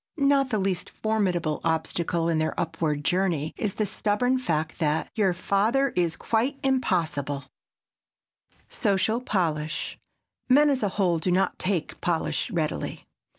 Not the least formidable obstacle in their upward journey is the stubborn fact that "your father is quite impossible." [Sidenote: SOCIAL POLISH] Men, as a whole, do not take polish readily.